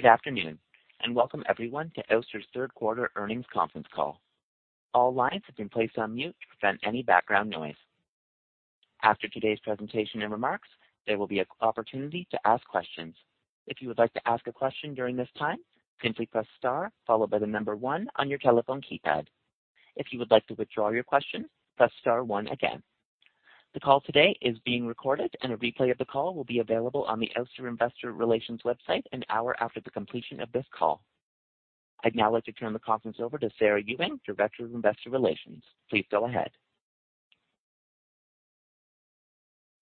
Good afternoon, and welcome everyone to Ouster's third quarter earnings conference call. All lines have been placed on mute to prevent any background noise. After today's presentation and remarks, there will be an opportunity to ask questions. If you would like to ask a question during this time, simply press star followed by the number one on your telephone keypad. If you would like to withdraw your question, press star one again. The call today is being recorded, and a replay of the call will be available on the Ouster Investor Relations website an hour after the completion of this call. I'd now like to turn the conference over to Sarah Ewing, Director of Investor Relations. Please go ahead.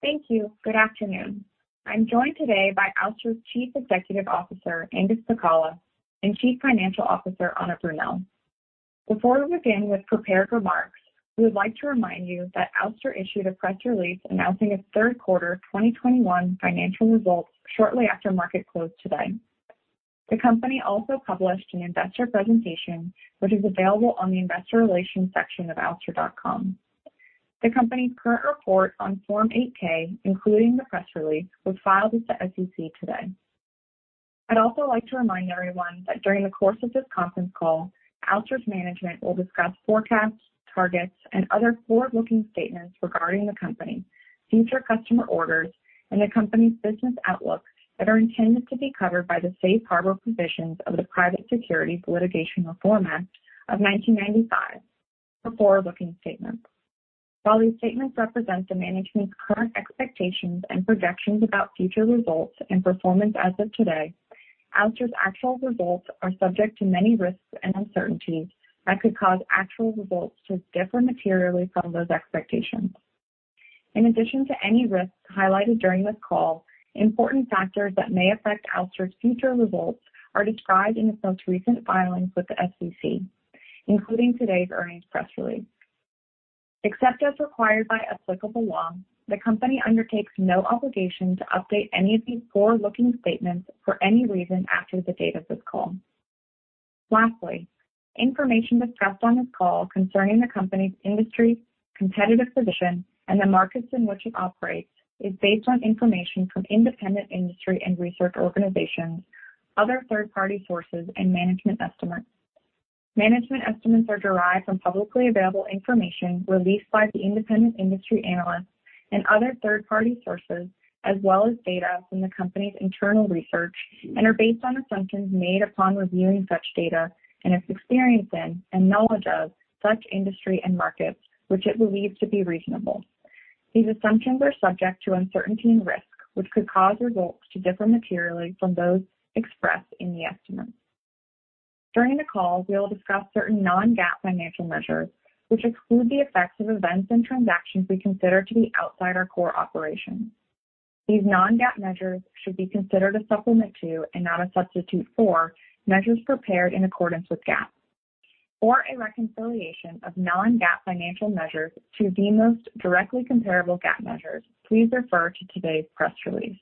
Thank you. Good afternoon. I'm joined today by Ouster's Chief Executive Officer, Angus Pacala, and Chief Financial Officer, Anna Brunelle. Before we begin with prepared remarks, we would like to remind you that Ouster issued a press release announcing its third quarter 2021 financial results shortly after market close today. The company also published an investor presentation, which is available on the investor relations section of ouster.com. The company's current report on Form 8-K, including the press release, was filed with the SEC today. I'd also like to remind everyone that during the course of this conference call, Ouster's management will discuss forecasts, targets, and other forward-looking statements regarding the company, future customer orders, and the company's business outlook that are intended to be covered by the safe harbor provisions of the Private Securities Litigation Reform Act of 1995 for forward-looking statements. While these statements represent the management's current expectations and projections about future results and performance as of today, Ouster's actual results are subject to many risks and uncertainties that could cause actual results to differ materially from those expectations. In addition to any risks highlighted during this call, important factors that may affect Ouster's future results are described in its most recent filings with the SEC, including today's earnings press release. Except as required by applicable law, the company undertakes no obligation to update any of these forward-looking statements for any reason after the date of this call. Lastly, information discussed on this call concerning the company's industry, competitive position, and the markets in which it operates is based on information from independent industry and research organizations, other third-party sources and management estimates. Management estimates are derived from publicly available information released by the independent industry analysts and other third-party sources, as well as data from the company's internal research, and are based on assumptions made upon reviewing such data and its experience in and knowledge of such industry and markets, which it believes to be reasonable. These assumptions are subject to uncertainty and risk, which could cause results to differ materially from those expressed in the estimates. During the call, we will discuss certain non-GAAP financial measures, which exclude the effects of events and transactions we consider to be outside our core operations. These non-GAAP measures should be considered a supplement to, and not a substitute for, measures prepared in accordance with GAAP. For a reconciliation of non-GAAP financial measures to the most directly comparable GAAP measures, please refer to today's press release.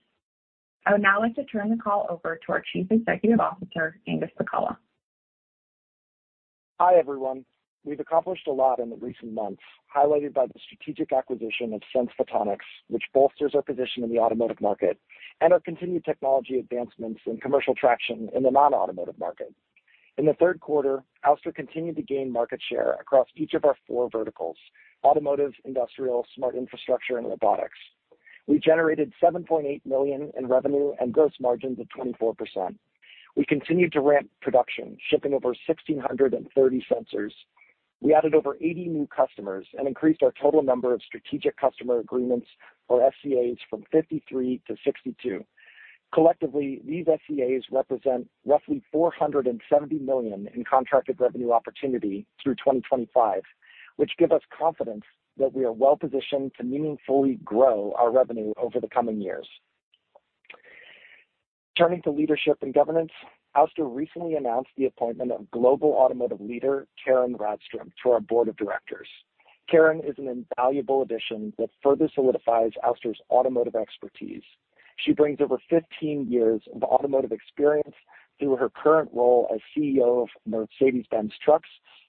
I would now like to turn the call over to our Chief Executive Officer, Angus Pacala. Hi, everyone. We've accomplished a lot in the recent months, highlighted by the strategic acquisition of Sense Photonics, which bolsters our position in the automotive market and our continued technology advancements and commercial traction in the non-automotive market. In the third quarter, Ouster continued to gain market share across each of our four verticals: Automotive, Industrial, Smart Infrastructure, and Robotics. We generated $7.8 million in revenue and gross margins of 24%. We continued to ramp production, shipping over 1,630 sensors. We added over 80 new customers and increased our total number of strategic customer agreements or SCAs from 53 to 62. Collectively, these SCAs represent roughly $470 million in contracted revenue opportunity through 2025, which give us confidence that we are well positioned to meaningfully grow our revenue over the coming years. Turning to leadership and governance, Ouster recently announced the appointment of global automotive leader, Karin Rådström, to our board of directors. Karin is an invaluable addition that further solidifies Ouster's automotive expertise. She brings over 15 years of automotive experience through her current role as CEO of Mercedes-Benz Trucks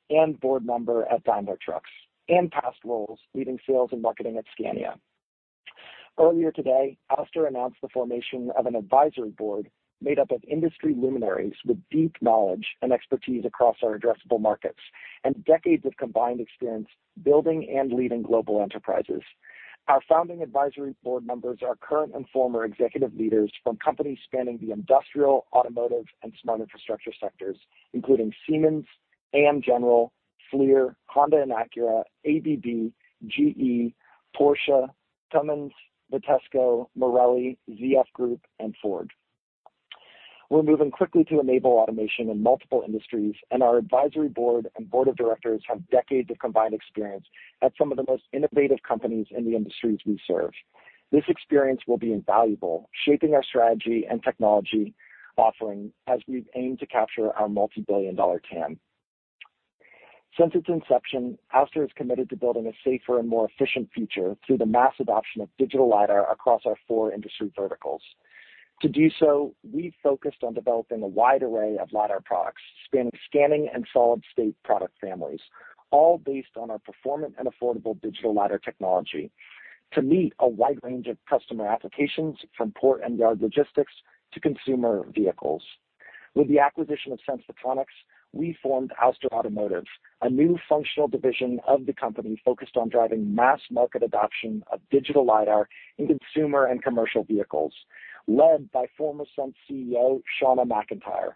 and board member at Daimler Trucks, and past roles leading sales and marketing at Scania. Earlier today, Ouster announced the formation of an advisory board made up of industry luminaries with deep knowledge and expertise across our addressable markets and decades of combined experience building and leading global enterprises. Our founding advisory board members are current and former executive leaders from companies spanning the industrial, automotive, and smart infrastructure sectors, including Siemens, AM General, FLIR, Honda and Acura, ABB, GE, Porsche, Cummins, Vitesco, Marelli, ZF Group, and Ford. We're moving quickly to enable automation in multiple industries, and our advisory board and board of directors have decades of combined experience at some of the most innovative companies in the industries we serve. This experience will be invaluable, shaping our strategy and technology offering as we aim to capture our multi-billion-dollar TAM. Since its inception, Ouster is committed to building a safer and more efficient future through the mass adoption of digital lidar across our four industry verticals. To do so, we've focused on developing a wide array of lidar products spanning scanning and solid-state product families, all based on our performant and affordable digital lidar technology. To meet a wide range of customer applications from port and yard logistics to consumer vehicles. With the acquisition of Sense Photonics, we formed Ouster Automotive, a new functional division of the company focused on driving mass market adoption of digital lidar in consumer and commercial vehicles, led by former Sense CEO Shauna McIntyre.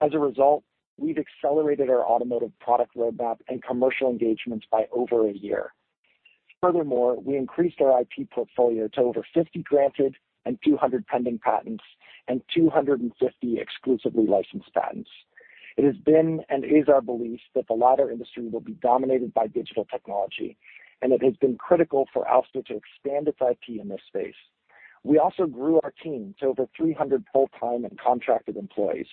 As a result, we've accelerated our automotive product roadmap and commercial engagements by over a year. Furthermore, we increased our IP portfolio to over 50 granted and 200 pending patents and 250 exclusively licensed patents. It has been and is our belief that the lidar industry will be dominated by digital technology, and it has been critical for Ouster to expand its IP in this space. We also grew our team to over 300 full-time and contracted employees.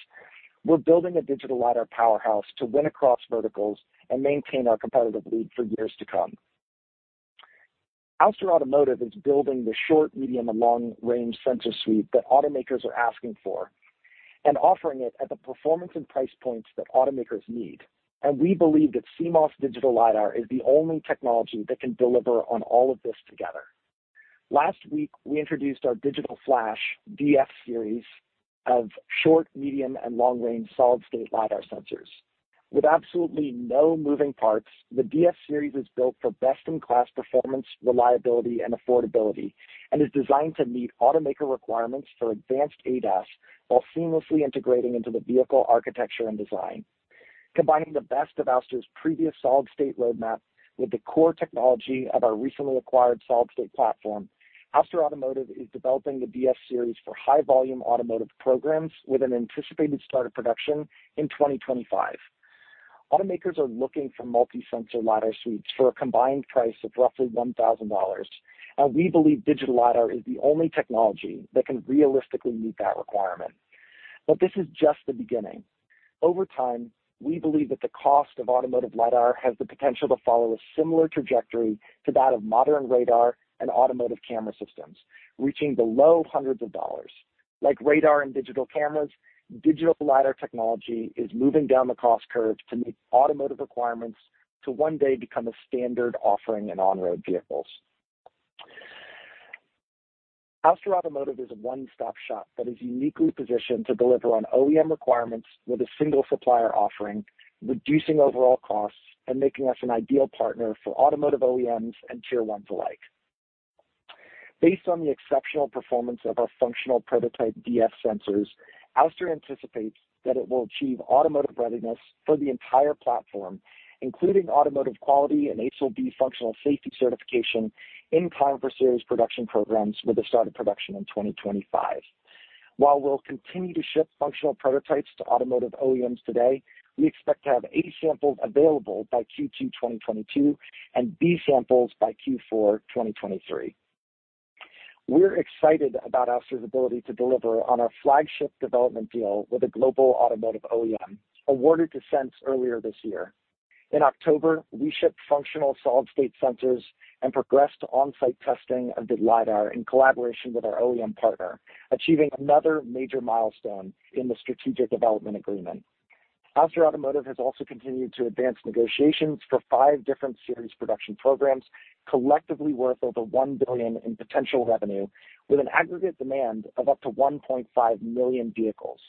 We're building a digital lidar powerhouse to win across verticals and maintain our competitive lead for years to come. Ouster Automotive is building the short, medium, and long-range sensor suite that automakers are asking for and offering it at the performance and price points that automakers need. We believe that CMOS digital lidar is the only technology that can deliver on all of this together. Last week, we introduced our Digital Flash DF series of short, medium, and long-range solid-state lidar sensors. With absolutely no moving parts, the DF series is built for best-in-class performance, reliability, and affordability, and is designed to meet automaker requirements for advanced ADAS while seamlessly integrating into the vehicle architecture and design. Combining the best of Ouster's previous solid-state roadmap with the core technology of our recently acquired solid-state platform, Ouster Automotive is developing the DF series for high volume automotive programs with an anticipated start of production in 2025. Automakers are looking for multi-sensor lidar suites for a combined price of roughly $1,000. We believe digital lidar is the only technology that can realistically meet that requirement. This is just the beginning. Over time, we believe that the cost of automotive lidar has the potential to follow a similar trajectory to that of modern radar and automotive camera systems, reaching the low hundreds of dollars. Like radar and digital cameras, digital lidar technology is moving down the cost curve to meet automotive requirements to one day become a standard offering in on-road vehicles. Ouster Automotive is a one-stop shop that is uniquely positioned to deliver on OEM requirements with a single supplier offering, reducing overall costs and making us an ideal partner for automotive OEMs and tier ones alike. Based on the exceptional performance of our functional prototype DF sensors, Ouster anticipates that it will achieve automotive readiness for the entire platform, including automotive quality and ASIL-B functional safety certification in volume production programs with the start of production in 2025. While we'll continue to ship functional prototypes to automotive OEMs today, we expect to have A samples available by Q2 2022 and B samples by Q4 2023. We're excited about Ouster's ability to deliver on our flagship development deal with a global automotive OEM awarded to Sense earlier this year. In October, we shipped functional solid-state sensors and progressed on-site testing of the lidar in collaboration with our OEM partner, achieving another major milestone in the strategic development agreement. Ouster Automotive has also continued to advance negotiations for five different series production programs, collectively worth over $1 billion in potential revenue with an aggregate demand of up to 1.5 million vehicles.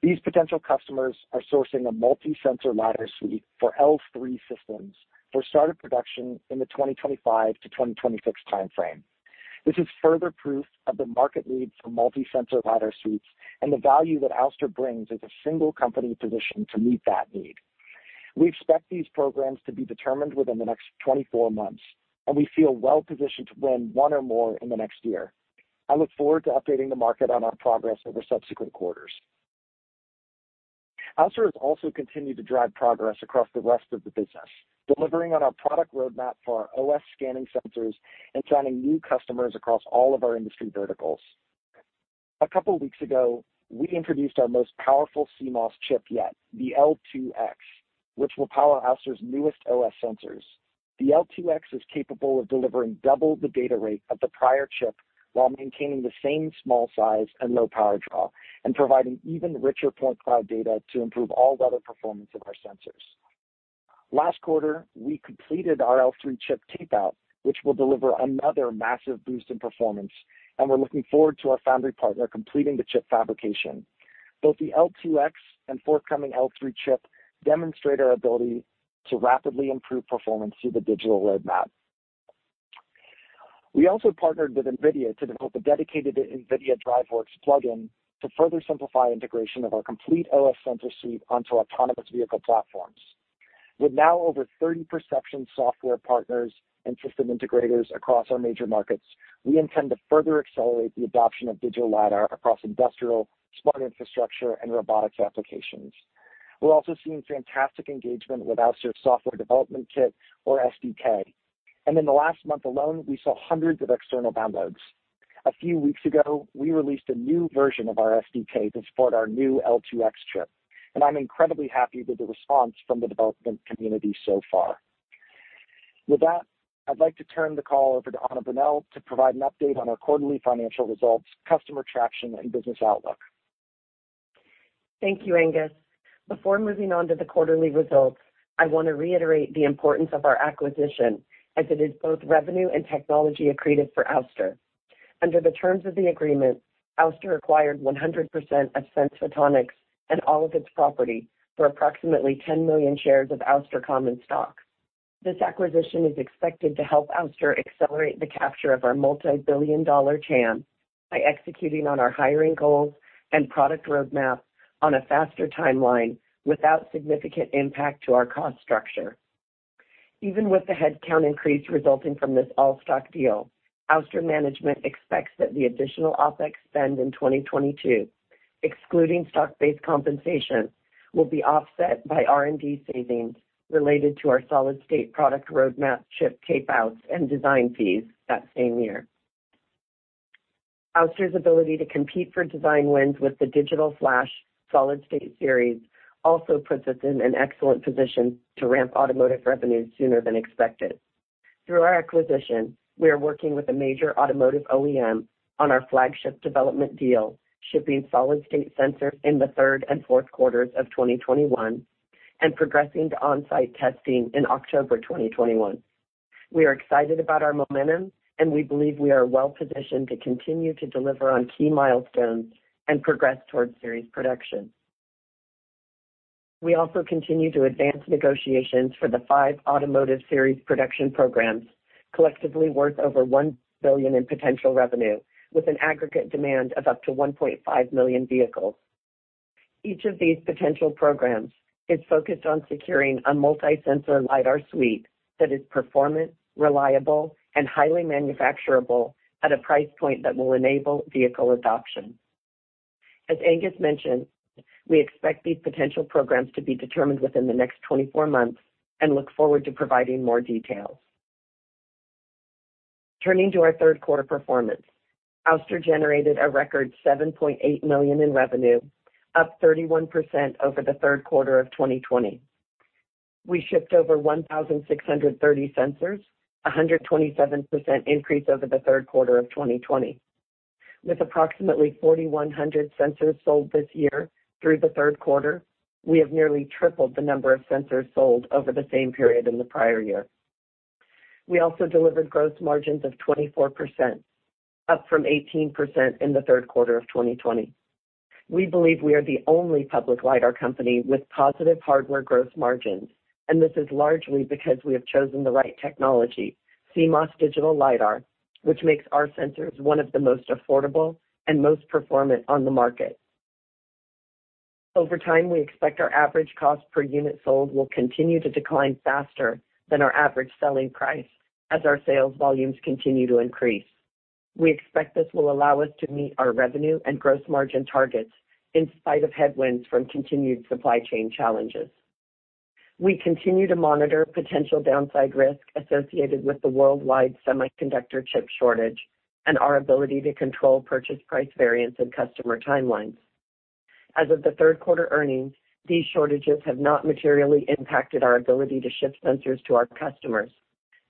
These potential customers are sourcing a multi-sensor lidar suite for L3 systems for start of production in the 2025-2026 time frame. This is further proof of the market lead for multi-sensor lidar suites and the value that Ouster brings as a single company positioned to meet that need. We expect these programs to be determined within the next 24 months, and we feel well positioned to win one or more in the next year. I look forward to updating the market on our progress over subsequent quarters. Ouster has also continued to drive progress across the rest of the business, delivering on our product roadmap for our OS scanning sensors and signing new customers across all of our industry verticals. A couple weeks ago, we introduced our most powerful CMOS chip yet, the L2X, which will power Ouster's newest OS sensors. The L2X is capable of delivering double the data rate of the prior chip while maintaining the same small size and low power draw and providing even richer point cloud data to improve all weather performance of our sensors. Last quarter, we completed our L3 chip tape out, which will deliver another massive boost in performance, and we're looking forward to our foundry partner completing the chip fabrication. Both the L2X and forthcoming L3 chip demonstrate our ability to rapidly improve performance through the digital roadmap. We also partnered with NVIDIA to develop a dedicated NVIDIA DriveWorks plugin to further simplify integration of our complete OS sensor suite onto autonomous vehicle platforms. With now over 30 perception software partners and system integrators across our major markets, we intend to further accelerate the adoption of digital lidar across industrial, smart infrastructure, and robotics applications. We're also seeing fantastic engagement with Ouster's software development kit, or SDK. In the last month alone, we saw hundreds of external downloads. A few weeks ago, we released a new version of our SDK to support our new L2X chip, and I'm incredibly happy with the response from the development community so far. With that, I'd like to turn the call over to Anna Brunelle to provide an update on our quarterly financial results, customer traction, and business outlook. Thank you, Angus. Before moving on to the quarterly results, I wanna reiterate the importance of our acquisition as it is both revenue and technology accretive for Ouster. Under the terms of the agreement, Ouster acquired 100% of Sense Photonics and all of its property for approximately 10 million shares of Ouster common stock. This acquisition is expected to help Ouster accelerate the capture of our multi-billion dollar TAM by executing on our hiring goals and product roadmap on a faster timeline without significant impact to our cost structure. Even with the headcount increase resulting from this all-stock deal, Ouster management expects that the additional OpEx spend in 2022, excluding stock-based compensation, will be offset by R&D savings related to our solid-state product roadmap ship tapeouts and design fees that same year. Ouster's ability to compete for design wins with the Digital Flash solid-state series also puts us in an excellent position to ramp automotive revenues sooner than expected. Through our acquisition, we are working with a major automotive OEM on our flagship development deal, shipping solid-state sensors in the third and fourth quarters of 2021 and progressing to on-site testing in October 2021. We are excited about our momentum, and we believe we are well-positioned to continue to deliver on key milestones and progress towards series production. We also continue to advance negotiations for the five automotive series production programs, collectively worth over $1 billion in potential revenue with an aggregate demand of up to 1.5 million vehicles. Each of these potential programs is focused on securing a multi-sensor lidar suite that is performant, reliable, and highly manufacturable at a price point that will enable vehicle adoption. As Angus mentioned, we expect these potential programs to be determined within the next 24 months and look forward to providing more details. Turning to our third quarter performance. Ouster generated a record $7.8 million in revenue, up 31% over the third quarter of 2020. We shipped over 1,630 sensors, a 127% increase over the third quarter of 2020. With approximately 4,100 sensors sold this year through the third quarter, we have nearly tripled the number of sensors sold over the same period in the prior year. We also delivered gross margins of 24%, up from 18% in the third quarter of 2020. We believe we are the only public lidar company with positive hardware growth margins, and this is largely because we have chosen the right technology, CMOS digital lidar, which makes our sensors one of the most affordable and most performant on the market. Over time, we expect our average cost per unit sold will continue to decline faster than our average selling price as our sales volumes continue to increase. We expect this will allow us to meet our revenue and gross margin targets in spite of headwinds from continued supply chain challenges. We continue to monitor potential downside risk associated with the worldwide semiconductor chip shortage and our ability to control purchase price variance and customer timelines. As of the third quarter earnings, these shortages have not materially impacted our ability to ship sensors to our customers.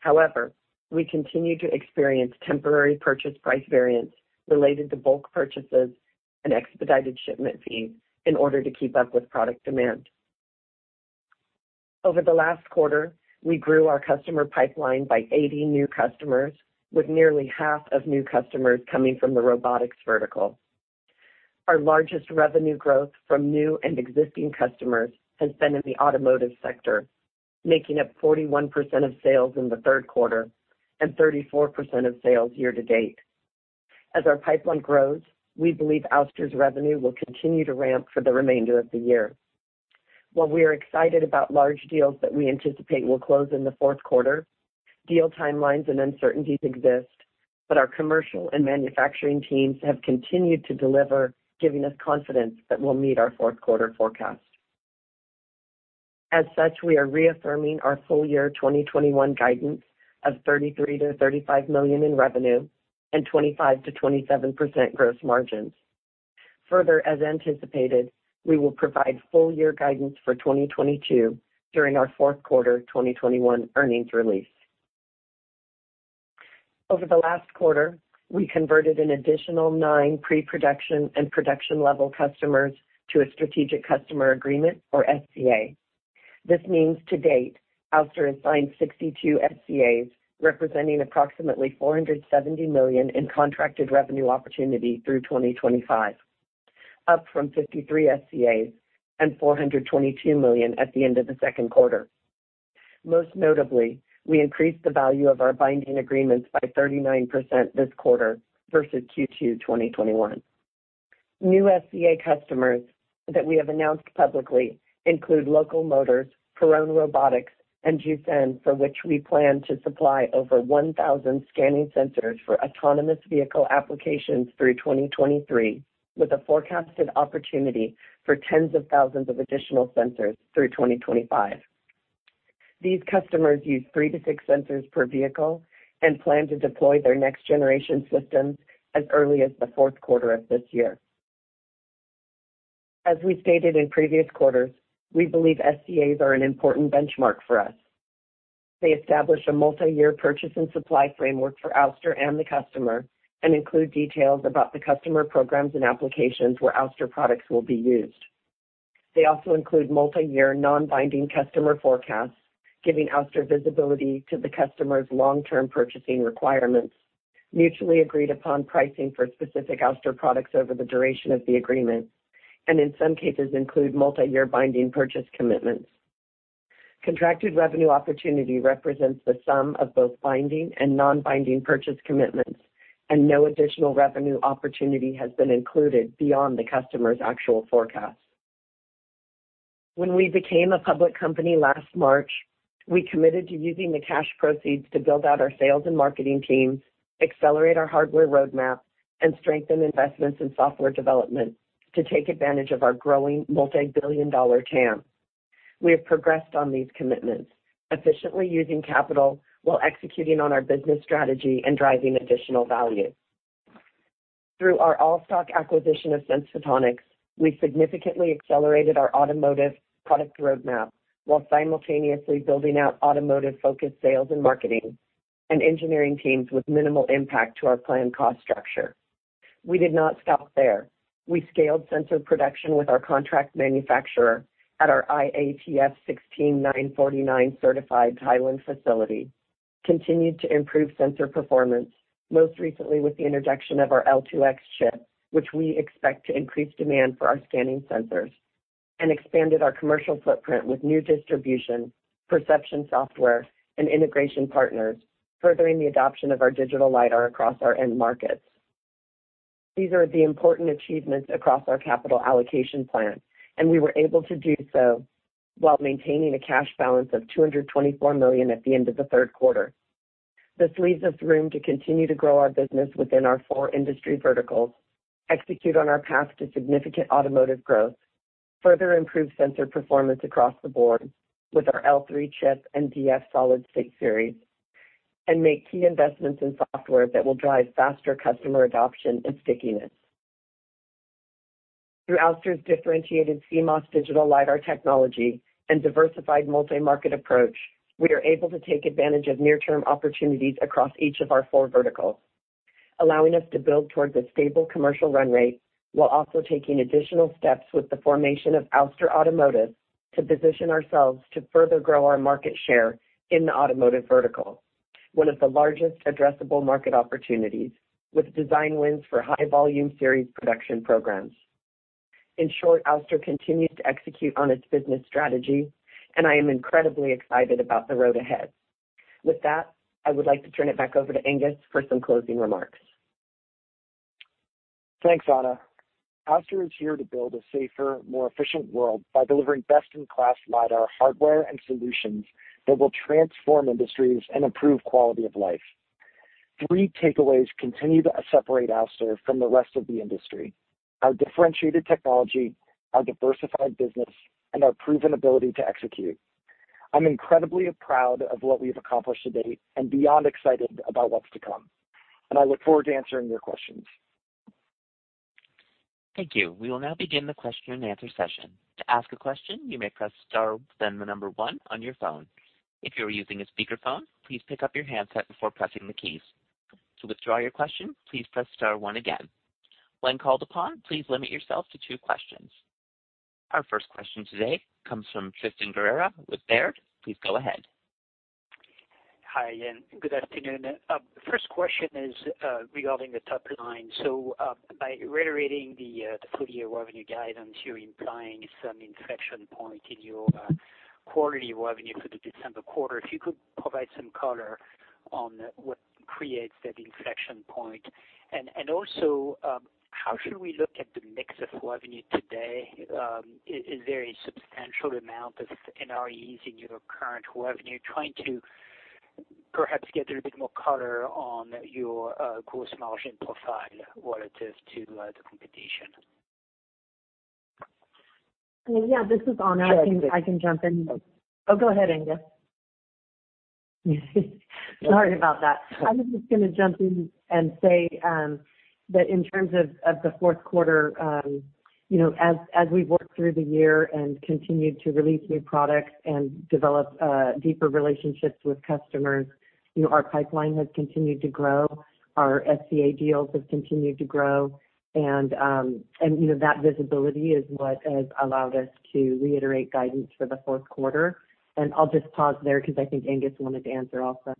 However, we continue to experience temporary purchase price variance related to bulk purchases and expedited shipment fees in order to keep up with product demand. Over the last quarter, we grew our customer pipeline by 80 new customers, with nearly half of new customers coming from the robotics vertical. Our largest revenue growth from new and existing customers has been in the automotive sector, making up 41% of sales in the third quarter and 34% of sales year-to-date. As our pipeline grows, we believe Ouster's revenue will continue to ramp for the remainder of the year. While we are excited about large deals that we anticipate will close in the fourth quarter, deal timelines and uncertainties exist, but our commercial and manufacturing teams have continued to deliver, giving us confidence that we'll meet our fourth quarter forecast. As such, we are reaffirming our full year 2021 guidance of $33 million-$35 million in revenue and 25%-27% gross margins. Further, as anticipated, we will provide full year guidance for 2022 during our fourth quarter 2021 earnings release. Over the last quarter, we converted an additional nine pre-production and production-level customers to a strategic customer agreement or SCA. This means to date, Ouster has signed 62 SCAs, representing approximately $470 million in contracted revenue opportunity through 2025, up from 53 SCAs and $422 million at the end of the second quarter. Most notably, we increased the value of our binding agreements by 39% this quarter versus Q2 2021. New SCA customers that we have announced publicly include Local Motors, Perrone Robotics, and Zefen, for which we plan to supply over 1,000 scanning sensors for autonomous vehicle applications through 2023, with a forecasted opportunity for tens of thousands of additional sensors through 2025. These customers use three to six sensors per vehicle and plan to deploy their next generation systems as early as the fourth quarter of this year. As we stated in previous quarters, we believe SCAs are an important benchmark for us. They establish a multi-year purchase and supply framework for Ouster and the customer and include details about the customer programs and applications where Ouster products will be used. They also include multi-year non-binding customer forecasts, giving Ouster visibility to the customer's long-term purchasing requirements, mutually agreed upon pricing for specific Ouster products over the duration of the agreement, and in some cases, include multi-year binding purchase commitments. Contracted revenue opportunity represents the sum of both binding and non-binding purchase commitments, and no additional revenue opportunity has been included beyond the customer's actual forecast. When we became a public company last March, we committed to using the cash proceeds to build out our sales and marketing teams, accelerate our hardware roadmap, and strengthen investments in software development to take advantage of our growing multi-billion-dollar TAM. We have progressed on these commitments, efficiently using capital while executing on our business strategy and driving additional value. Through our all-stock acquisition of Sense Photonics, we significantly accelerated our automotive product roadmap while simultaneously building out automotive-focused sales and marketing and engineering teams with minimal impact to our planned cost structure. We did not stop there. We scaled sensor production with our contract manufacturer at our IATF 16949 certified Thailand facility, continued to improve sensor performance, most recently with the introduction of our L2X chip, which we expect to increase demand for our scanning sensors, and expanded our commercial footprint with new distribution, perception software, and integration partners, furthering the adoption of our digital lidar across our end markets. These are the important achievements across our capital allocation plan, and we were able to do so while maintaining a cash balance of $224 million at the end of the third quarter. This leaves us room to continue to grow our business within our four industry verticals, execute on our path to significant automotive growth, further improve sensor performance across the board with our L3 chip and DF solid-state series, and make key investments in software that will drive faster customer adoption and stickiness. Through Ouster's differentiated CMOS digital lidar technology and diversified multi-market approach, we are able to take advantage of near-term opportunities across each of our four verticals, allowing us to build toward the stable commercial run rate while also taking additional steps with the formation of Ouster Automotive to position ourselves to further grow our market share in the automotive vertical, one of the largest addressable market opportunities with design wins for high volume series production programs. In short, Ouster continues to execute on its business strategy, and I am incredibly excited about the road ahead. With that, I would like to turn it back over to Angus for some closing remarks. Thanks, Anna. Ouster is here to build a safer, more efficient world by delivering best-in-class lidar hardware and solutions that will transform industries and improve quality of life. Three takeaways continue to separate Ouster from the rest of the industry: our differentiated technology, our diversified business, and our proven ability to execute. I'm incredibly proud of what we've accomplished to date and beyond excited about what's to come. I look forward to answering your questions. Thank you. We will now begin the question and answer session. To ask a question, you may press star then the number one on your phone. If you are using a speakerphone, please pick up your handset before pressing the keys. To withdraw your question, please press star one again. When called upon, please limit yourself to two questions. Our first question today comes from Tristan Gerra with Baird. Please go ahead. Hi, and good afternoon. The first question is regarding the top line. By reiterating the full year revenue guidance, you're implying some inflection point in your quarterly revenue for the December quarter. If you could provide some color on what creates that inflection point. Also, how should we look at the mix of revenue today? A very substantial amount of NREs in your current revenue. Trying to perhaps get a bit more color on your gross margin profile relative to the competition. Yeah, this is Anna. I can jump in. Oh, go ahead, Angus. Sorry about that. I was just gonna jump in and say that in terms of the fourth quarter, you know, as we worked through the year and continued to release new products and develop deeper relationships with customers, you know, our pipeline has continued to grow. Our SCA deals have continued to grow. You know, that visibility is what has allowed us to reiterate guidance for the fourth quarter. I'll just pause there because I think Angus wanted to answer also.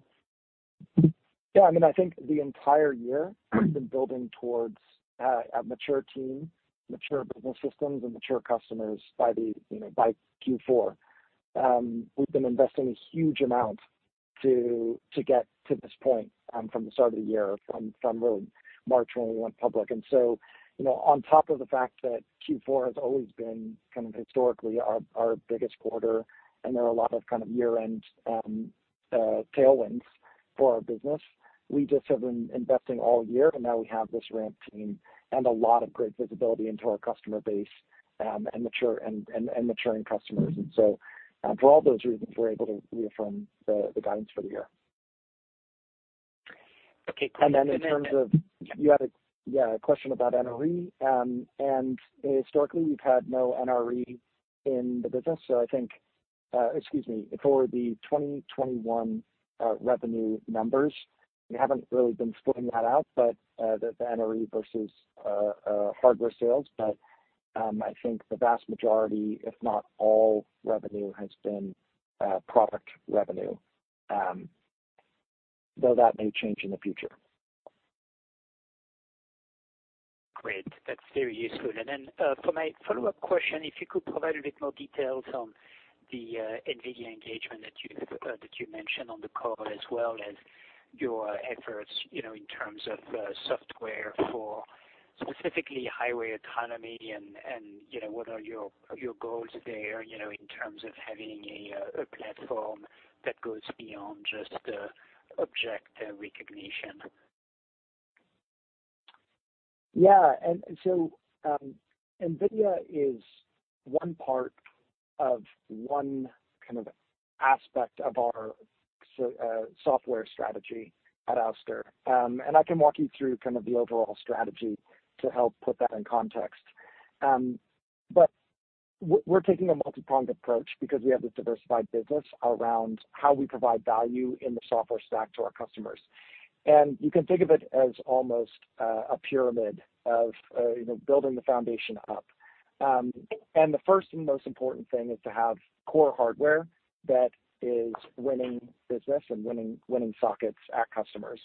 Yeah. I mean, I think the entire year we've been building towards a mature team, mature business systems, and mature customers by the, you know, by Q4. We've been investing a huge amount to get to this point from the start of the year, from really March when we went public. You know, on top of the fact that Q4 has always been kind of historically our biggest quarter, and there are a lot of kind of year-end tailwinds for our business, we just have been investing all year, and now we have this ramp team and a lot of great visibility into our customer base, and mature and maturing customers. For all those reasons, we're able to reaffirm the guidance for the year. In terms of. You had a question about NRE. Historically, we've had no NRE in the business. I think for the 2021 revenue numbers, we haven't really been splitting that out, but the NRE versus hardware sales. I think the vast majority, if not all revenue, has been product revenue, though that may change in the future. Great. That's very useful. For my follow-up question, if you could provide a bit more details on the NVIDIA engagement that you mentioned on the call, as well as your efforts, you know, in terms of software for specifically highway autonomy and you know, what are your goals there, you know, in terms of having a platform that goes beyond just object recognition. NVIDIA is one part of one kind of aspect of our software strategy at Ouster. I can walk you through kind of the overall strategy to help put that in context. We're taking a multipronged approach because we have a diversified business around how we provide value in the software stack to our customers. You can think of it as almost a pyramid of you know, building the foundation up. The first and most important thing is to have core hardware that is winning business and winning sockets at customers.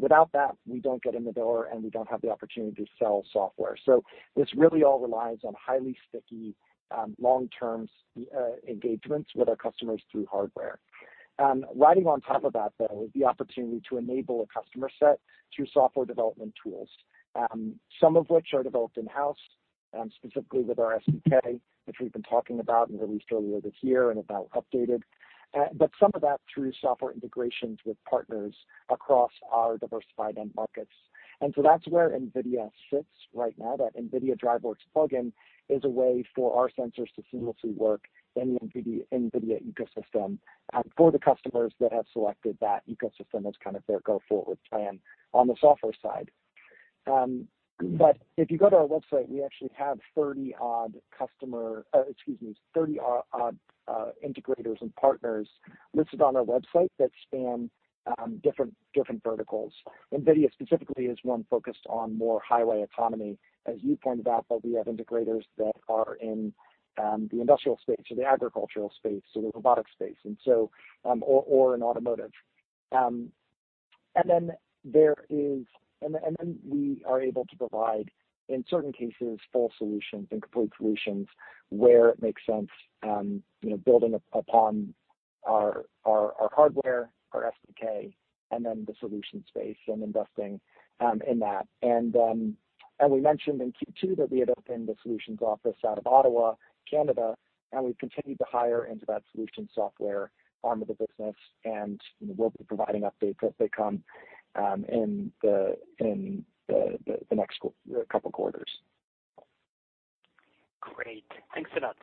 Without that, we don't get in the door, and we don't have the opportunity to sell software. This really all relies on highly sticky long-term engagements with our customers through hardware. Riding on top of that, though, is the opportunity to enable a customer set through software development tools, some of which are developed in-house, specifically with our SDK, which we've been talking about and released earlier this year and updated. Some of that through software integrations with partners across our diversified end markets. That's where NVIDIA sits right now. That NVIDIA DriveWorks plugin is a way for our sensors to seamlessly work in the NVIDIA ecosystem for the customers that have selected that ecosystem as kind of their go-forward plan on the software side. If you go to our website, we actually have 30-odd integrators and partners listed on our website that span different verticals. NVIDIA specifically is one focused on more highway autonomy, as you pointed out, but we have integrators that are in the industrial space or the agricultural space or the robotic space, and in automotive. We are able to provide, in certain cases, full solutions and complete solutions where it makes sense, you know, building upon our hardware, our SDK, and then the solution space and investing in that. As we mentioned in Q2 that we had opened a solutions office out of Ottawa, Canada, and we've continued to hire into that solution software arm of the business, and we'll be providing updates as they come in the next couple quarters. Great. Thanks a lot.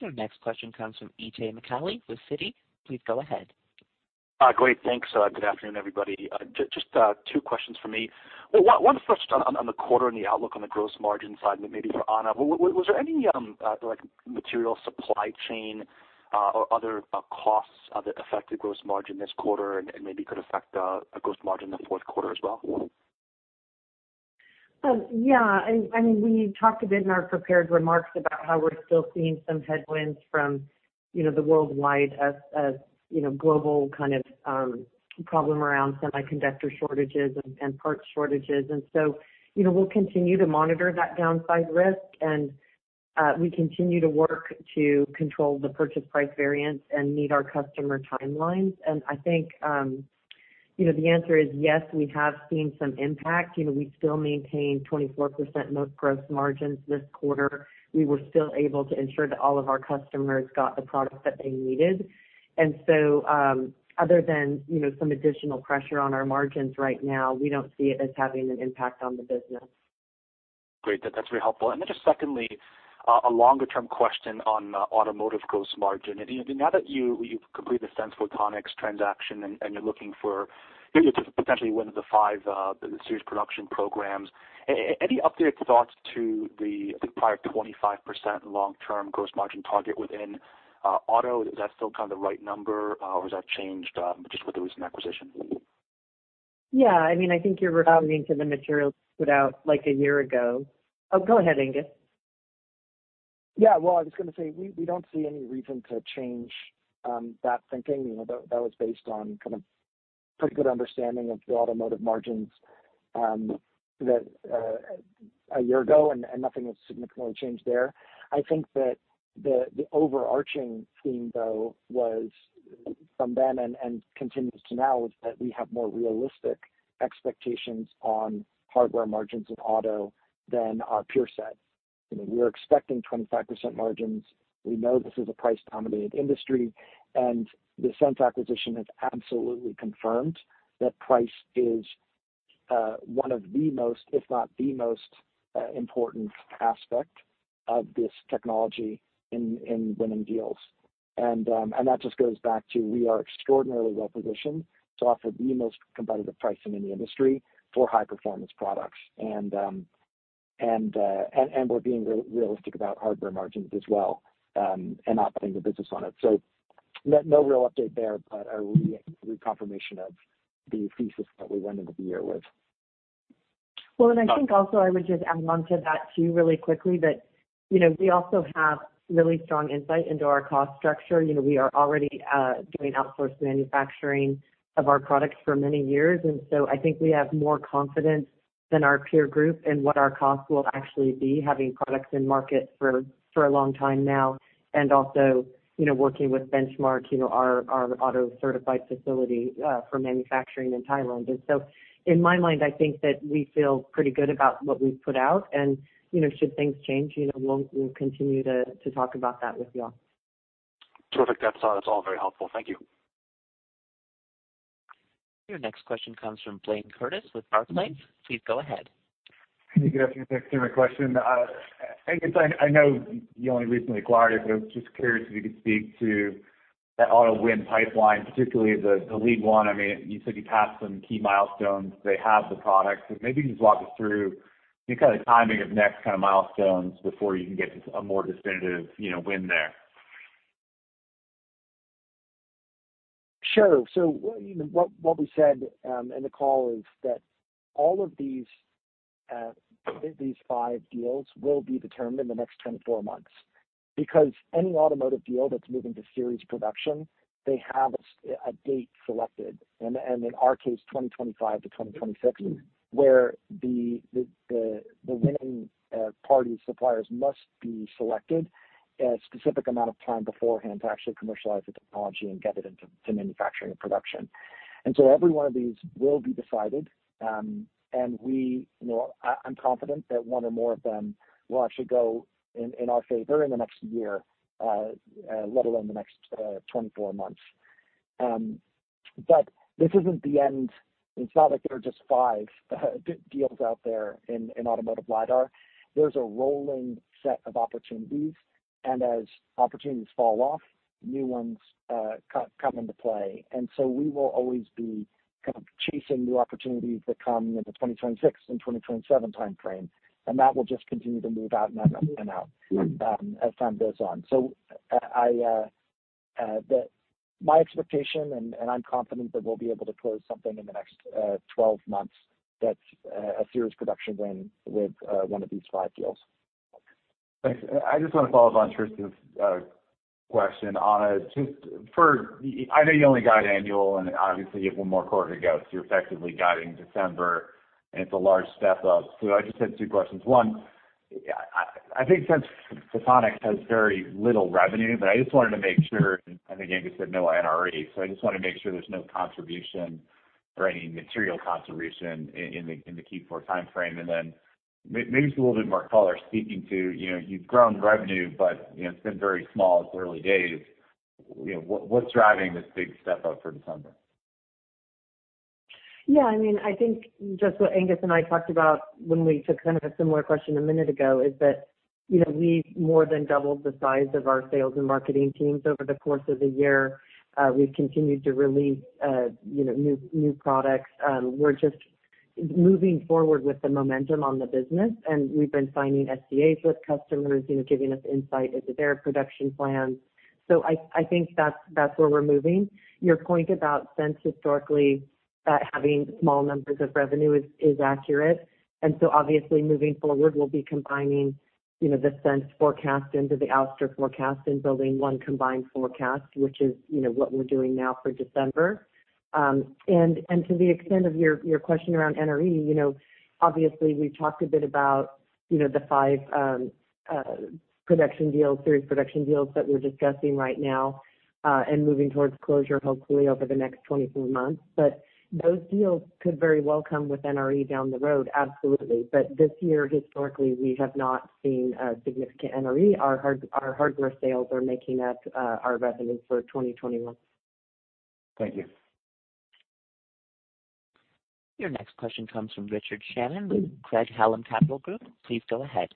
Your next question comes from Itay Michaeli with Citi. Please go ahead. Great. Thanks. Good afternoon, everybody. Just two questions for me. Well, one first on the quarter and the outlook on the gross margin side, maybe for Anna. Was there any like material supply chain or other costs that affected gross margin this quarter and maybe could affect gross margin in the fourth quarter as well? Yeah. I mean, we talked a bit in our prepared remarks about how we're still seeing some headwinds from, you know, the worldwide, you know, global kind of problem around semiconductor shortages and parts shortages. You know, we'll continue to monitor that downside risk and we continue to work to control the purchase price variance and meet our customer timelines. I think, you know, the answer is yes, we have seen some impact. You know, we still maintain 24% gross margins this quarter. We were still able to ensure that all of our customers got the product that they needed. Other than, you know, some additional pressure on our margins right now, we don't see it as having an impact on the business. Great. That's very helpful. Then just secondly, a longer-term question on automotive gross margin. You know, now that you've completed the Sense Photonics transaction and you're looking for, you know, to potentially win the five series production programs, any updated thoughts on the, I think, prior 25% long-term gross margin target within auto? Is that still kind of the right number, or has that changed just with the recent acquisition? Yeah. I mean, I think you're referring to the materials put out like a year ago. Oh, go ahead, Angus. Yeah. Well, I was gonna say, we don't see any reason to change that thinking. You know, that was based on kind of pretty good understanding of the automotive margins that a year ago, and nothing has significantly changed there. I think that the overarching theme, though, was from then and continues to now is that we have more realistic expectations on hardware margins in auto than our peer set. You know, we're expecting 25% margins. We know this is a price-dominated industry, and the Sense acquisition has absolutely confirmed that price is one of the most, if not the most, important aspect of this technology in winning deals. That just goes back to we are extraordinarily well positioned to offer the most competitive pricing in the industry for high performance products. We're being realistic about hardware margins as well, and operating the business on it. No real update there, but a reconfirmation of the thesis that we went into the year with. I think also I would just add on to that too really quickly that, you know, we also have really strong insight into our cost structure. You know, we are already doing outsourced manufacturing of our products for many years. I think we have more confidence than our peer group in what our costs will actually be, having products in market for a long time now and also, you know, working with Benchmark, you know, our auto-certified facility for manufacturing in Thailand. In my mind, I think that we feel pretty good about what we've put out and, you know, should things change, you know, we'll continue to talk about that with you all. Perfect. That's all very helpful. Thank you. Your next question comes from Blayne Curtis with Barclays. Please go ahead. Good afternoon. Thanks for taking my question. Angus, I know you only recently acquired, but I was just curious if you could speak to that auto win pipeline, particularly the lead one. I mean, you said you passed some key milestones. They have the product. Maybe you can just walk us through any kind of timing of next kind of milestones before you can get a more definitive, you know, win there. Sure. What we said in the call is that all of these five deals will be determined in the next 24 months. Because any automotive deal that's moving to series production, they have a date selected. In our case, 2025-2026, where the winning party suppliers must be selected a specific amount of time beforehand to actually commercialize the technology and get it into manufacturing and production. Every one of these will be decided. I'm confident that one or more of them will actually go in our favor in the next year, let alone the next 24 months. This isn't the end. It's not like there are just five deals out there in automotive lidar. There's a rolling set of opportunities, and as opportunities fall off, new ones come into play. We will always be kind of chasing new opportunities that come into 2026 and 2027 time frame, and that will just continue to move out and out and out as time goes on. My expectation, and I'm confident that we'll be able to close something in the next 12 months that's a serious production win with one of these five deals. Thanks. I just want to follow up on Tristan's question on it. I know you only guide annually and obviously you have one more quarter to go, so you're effectively guiding December, and it's a large step up. I just had two questions. One, I think since Sense Photonics has very little revenue, but I just wanted to make sure, I think Angus said no NRE. I just wanna make sure there's no contribution or any material contribution in the Q4 timeframe. Then maybe just a little bit more color speaking to, you know, you've grown revenue, but you know, it's been very small. It's early days. You know, what's driving this big step up for December? Yeah, I mean, I think just what Angus and I talked about when we took kind of a similar question a minute ago is that, you know, we've more than doubled the size of our sales and marketing teams over the course of the year. We've continued to release, you know, new products. We're just moving forward with the momentum on the business, and we've been signing SCAs with customers, you know, giving us insight into their production plans. I think that's where we're moving. Your point about Sense historically having small numbers of revenue is accurate. Obviously moving forward, we'll be combining, you know, the Sense forecast into the Ouster forecast and building one combined forecast, which is, you know, what we're doing now for December. To the extent of your question around NRE, you know, obviously we've talked a bit about, you know, the five production deals, series production deals that we're discussing right now, and moving towards closure hopefully over the next 24 months. Those deals could very well come with NRE down the road, absolutely. This year, historically, we have not seen a significant NRE. Our hardware sales are making up our revenue for 2021. Thank you. Your next question comes from Richard Shannon with Craig-Hallum Capital Group. Please go ahead.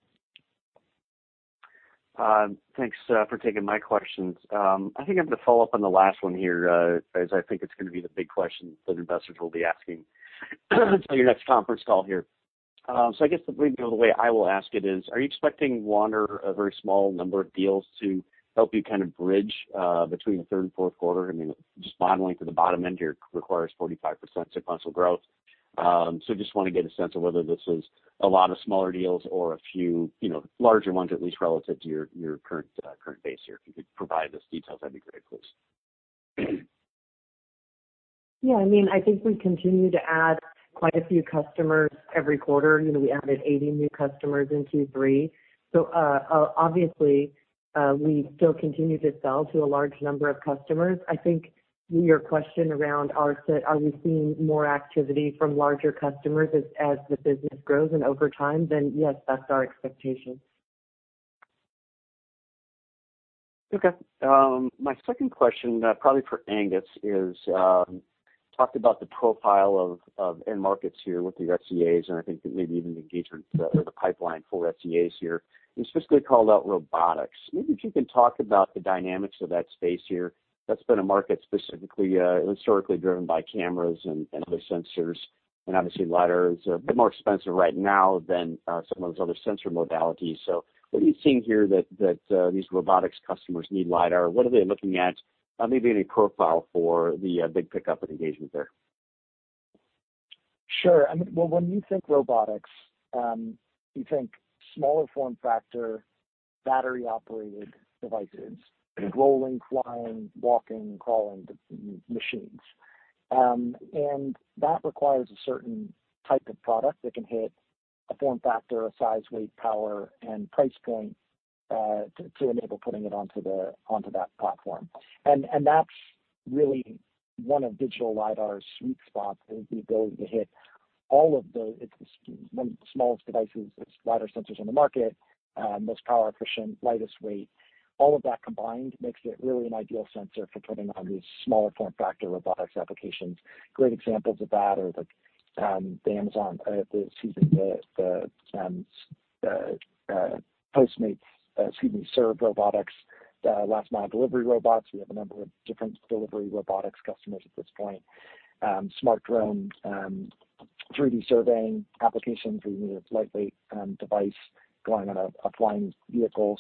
Thanks for taking my questions. I think I'm gonna follow up on the last one here, as I think it's gonna be the big question that investors will be asking until your next conference call here. So I guess maybe the way I will ask it is, are you expecting one or a very small number of deals to help you kind of bridge between the third and fourth quarter? I mean, just modeling for the bottom end here requires 45% sequential growth. So just wanna get a sense of whether this is a lot of smaller deals or a few, you know, larger ones, at least relative to your current base here. If you could provide those details, that'd be great, please. Yeah, I mean, I think we continue to add quite a few customers every quarter. You know, we added 80 new customers in Q2 to Q3. Obviously, we still continue to sell to a large number of customers. I think your question around, are we seeing more activity from larger customers as the business grows and over time? Then yes, that's our expectation. Okay. My second question, probably for Angus is, talked about the profile of end markets here with the SCAs, and I think maybe even the engagement or the pipeline for SCAs here, you specifically called out robotics. Maybe if you can talk about the dynamics of that space here. That's been a market specifically, historically driven by cameras and other sensors, and obviously lidar is a bit more expensive right now than some of those other sensor modalities. So what are you seeing here that these robotics customers need lidar? What are they looking at? Maybe any profile for the big pickup in engagement there. Sure. I mean, well, when you think robotics, you think smaller form factor, battery-operated devices, rolling, flying, walking, crawling machines. That requires a certain type of product that can hit a form factor, a size, weight, power and price point to enable putting it onto that platform. That's really one of digital lidar's sweet spots is the ability to hit all of the. It's one of the smallest devices, it's lidar sensors on the market, most power efficient, lightest weight. All of that combined makes it really an ideal sensor for putting on these smaller form factor robotics applications. Great examples of that are like the Amazon, Postmates, Serve Robotics last mile delivery robots. We have a number of different delivery robotics customers at this point. Smart drones, 3D surveying applications. We need a lightweight device going on a flying vehicle.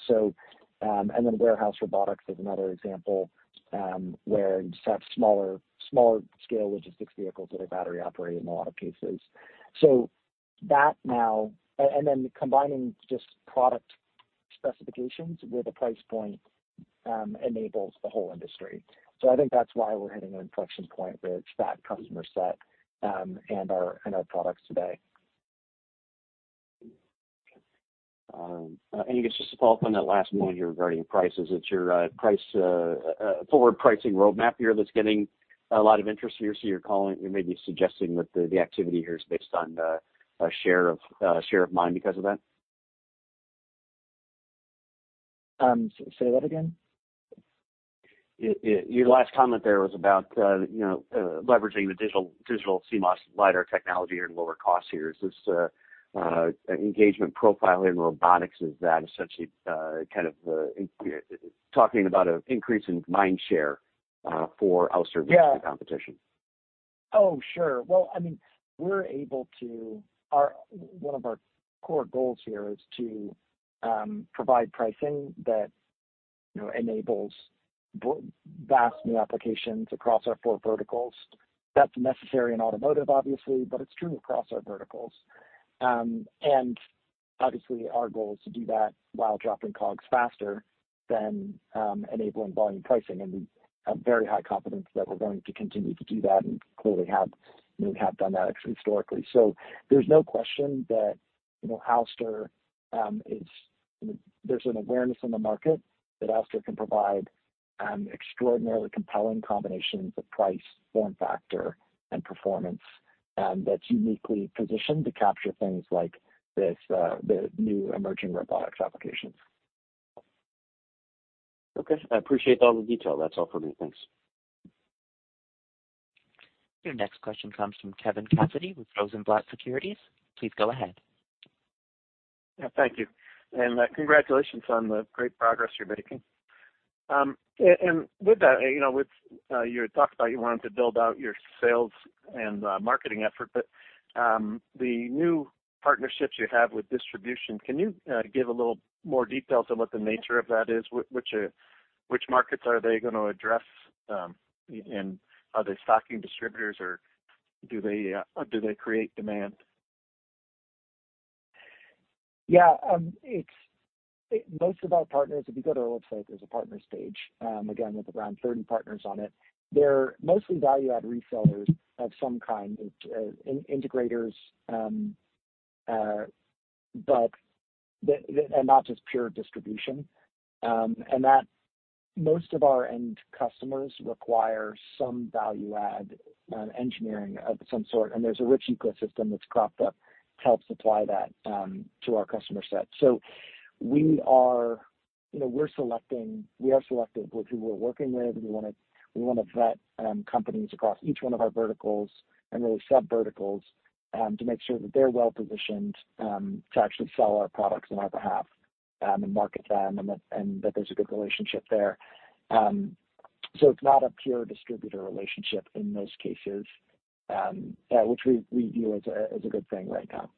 Warehouse robotics is another example where you just have smaller scale logistics vehicles that are battery operated in a lot of cases. Combining just product specifications with a price point enables the whole industry. I think that's why we're hitting an inflection point with that customer set and our products today. You could just follow up on that last point here regarding prices. It's your forward pricing roadmap here that's getting a lot of interest here. You may be suggesting that the activity here is based on a share of mind because of that. Say that again. Your last comment there was about, you know, leveraging the digital CMOS lidar technology for lower cost here. Is this engagement profile in robotics, is that essentially, kind of, talking about an increase in mind share, for Ouster. Yeah. Competition? Oh, sure. Well, I mean, one of our core goals here is to provide pricing that, you know, enables vast new applications across our four verticals. That's necessary in automotive obviously, but it's true across our verticals. Our goal is to do that while dropping COGS faster than enabling volume pricing. We have very high confidence that we're going to continue to do that and clearly have done that historically. There's no question that there's an awareness in the market that Ouster can provide extraordinarily compelling combinations of price, form factor, and performance that's uniquely positioned to capture things like this, the new emerging robotics applications. Okay. I appreciate all the detail. That's all for me. Thanks. Your next question comes from Kevin Cassidy with Rosenblatt Securities. Please go ahead. Yeah, thank you, and congratulations on the great progress you're making. With that, you know, with you had talked about you wanted to build out your sales and marketing effort, but the new partnerships you have with distribution, can you give a little more details on what the nature of that is? Which markets are they gonna address? Are they stocking distributors or do they create demand? It's most of our partners, if you go to our website, there's a partner page, again, with around 30 partners on it. They're mostly value-add resellers of some kind, integrators, but not just pure distribution. Most of our end customers require some value add engineering of some sort. There's a rich ecosystem that's cropped up to help supply that to our customer set. We are, you know, we're selecting, we are selective with who we're working with. We wanna vet companies across each one of our verticals and really sub verticals to make sure that they're well-positioned to actually sell our products on our behalf and market them and that there's a good relationship there. It's not a pure distributor relationship in most cases, which we view as a good thing right now.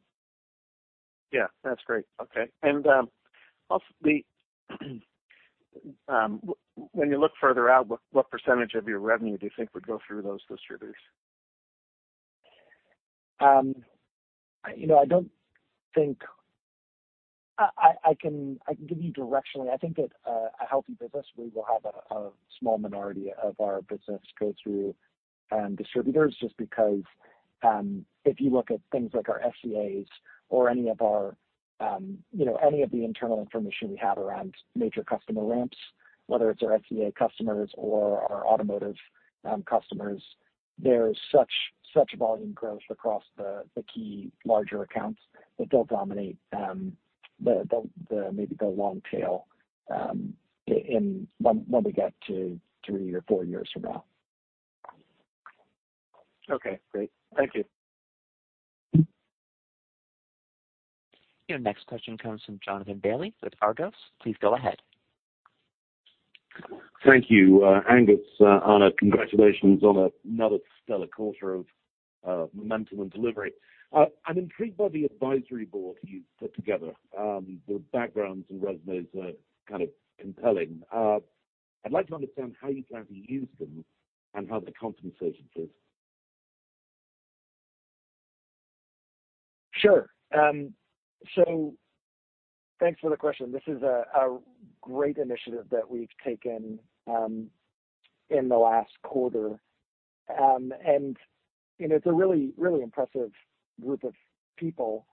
Yeah, that's great. Okay. Also, when you look further out, what percentage of your revenue do you think would go through those distributors? You know, I don't think I can give you directionally. I think that a healthy business, we will have a small minority of our business go through distributors just because, if you look at things like our SCAs or any of our, you know, any of the internal information we have around major customer ramps, whether it's our SCA customers or our automotive customers. There is such volume growth across the key larger accounts that they'll dominate the maybe the long tail, when we get to three or four years from now. Okay, great. Thank you. Your next question comes from Jonathan Bailey with Argos. Please go ahead. Thank you. Angus, Anna, congratulations on another stellar quarter of momentum and delivery. I'm intrigued by the advisory board you've put together. The backgrounds and resumes are kind of compelling. I'd like to understand how you plan to use them and how the compensation fits. Sure. Thanks for the question. This is a great initiative that we've taken in the last quarter. You know, it's a really impressive group of people.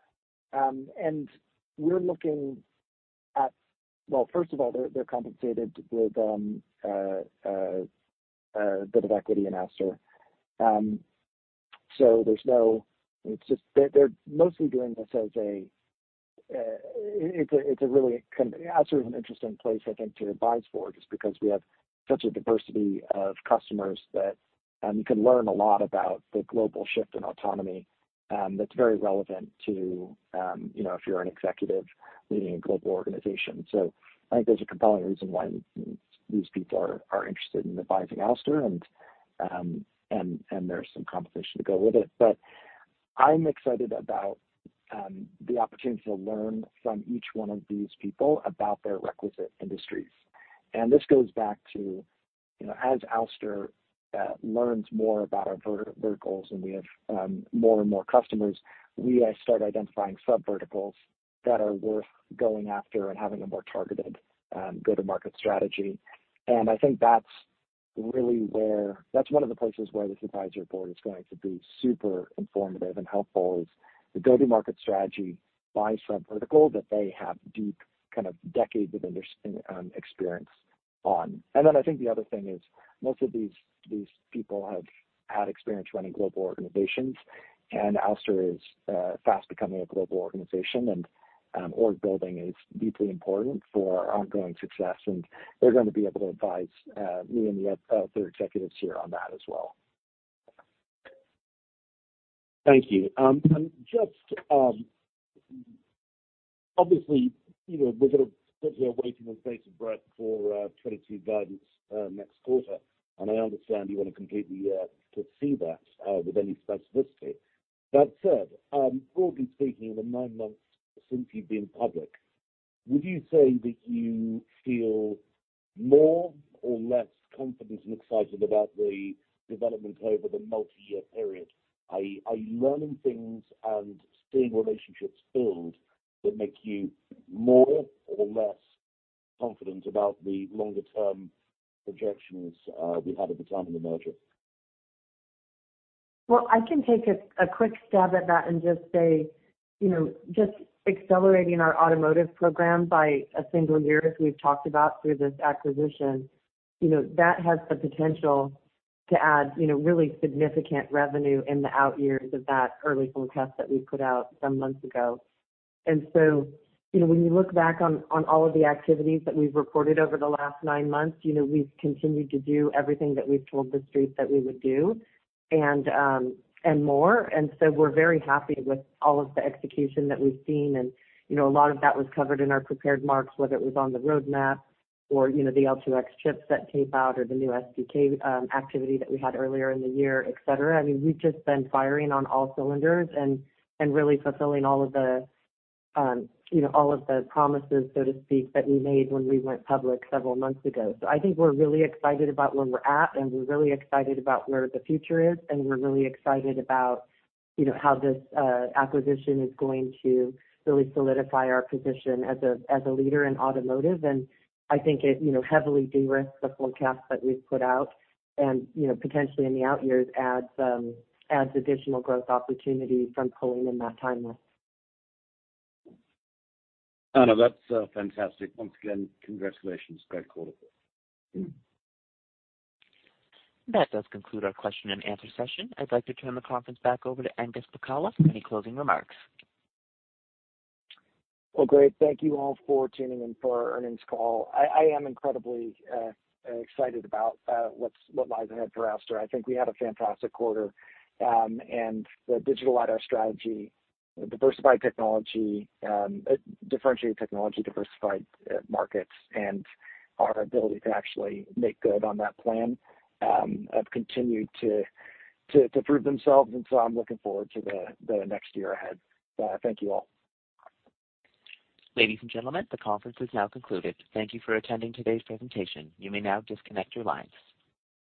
First of all, they're compensated with a bit of equity in Ouster. It's just they're mostly doing this. Ouster is an interesting place, I think, to advise for, just because we have such a diversity of customers that you can learn a lot about the global shift in autonomy that's very relevant to you know, if you're an executive leading a global organization. I think there's a compelling reason why these people are interested in advising Ouster and there's some compensation to go with it. I'm excited about the opportunity to learn from each one of these people about their requisite industries. This goes back to as Ouster learns more about our verticals and we have more and more customers, we start identifying subverticals that are worth going after and having a more targeted go-to-market strategy. I think that's really where that's one of the places where this advisory board is going to be super informative and helpful is the go-to-market strategy by subvertical that they have deep kind of decades of experience on. I think the other thing is most of these people have had experience running global organizations, and Ouster is fast becoming a global organization. Org building is deeply important for our ongoing success, and they're gonna be able to advise me and the other executives here on that as well. Thank you. Just, obviously, you know, we're gonna sit here waiting with bated breath for 2022 guidance next quarter, and I understand you wanna completely avoid that with any specificity. That said, broadly speaking, in the nine months since you've been public, would you say that you feel more or less confident and excited about the development over the multi-year period? Are you learning things and seeing relationships build that make you more or less confident about the longer term projections we had at the time of the merger? Well, I can take a quick stab at that and just say, you know, just accelerating our automotive program by a single year, as we've talked about through this acquisition, you know, that has the potential to add, you know, really significant revenue in the out years of that early forecast that we put out some months ago. You know, when you look back on all of the activities that we've reported over the last nine months, you know, we've continued to do everything that we've told the Street that we would do and more. We're very happy with all of the execution that we've seen. You know, a lot of that was covered in our prepared remarks, whether it was on the roadmap or, you know, the L2X chips that came out or the new SDK activity that we had earlier in the year, et cetera. I mean, we've just been firing on all cylinders and really fulfilling all of the, you know, all of the promises, so to speak, that we made when we went public several months ago. I think we're really excited about where we're at, and we're really excited about where the future is, and we're really excited about, you know, how this acquisition is going to really solidify our position as a leader in automotive. I think it, you know, heavily de-risks the forecast that we've put out and, you know, potentially in the out years adds additional growth opportunity from pulling in that timeline. Anna, that's fantastic. Once again, congratulations. Great quarter. That does conclude our question and answer session. I'd like to turn the conference back over to Angus Pacala for any closing remarks. Well, great. Thank you all for tuning in for our earnings call. I am incredibly excited about what lies ahead for Ouster. I think we had a fantastic quarter. The digital lidar strategy, diversified technology, differentiated technology, diversified markets, and our ability to actually make good on that plan have continued to prove themselves, and so I'm looking forward to the next year ahead. Thank you all. Ladies and gentlemen, the conference is now concluded. Thank you for attending today's presentation. You may now disconnect your lines.